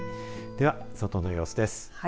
では、外の様子です。